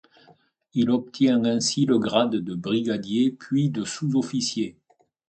Il obtient ainsi le grade de brigadier puis de sous-officier.